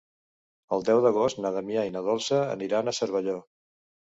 El deu d'agost na Damià i na Dolça aniran a Cervelló.